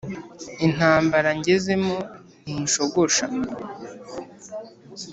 Intambara ngezemo ntishogosha